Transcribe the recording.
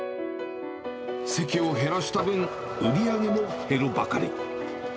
席を減らした分、売り上げも減るばかり。